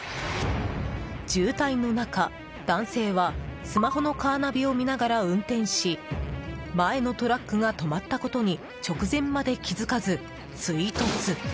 渋滞の中、男性はスマホのカーナビを見ながら運転し前のトラックが止まったことに直前まで気付かず、追突。